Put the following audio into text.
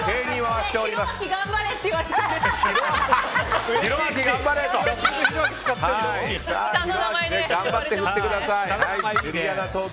博明さん頑張って振ってください。